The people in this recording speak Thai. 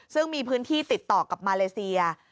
ซึ่งมีพื้นที่ติดต่อกับมาเลเซีย